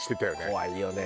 怖いよね。